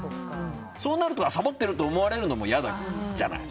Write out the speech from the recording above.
そうなるとサボっていると思われるのも嫌だし。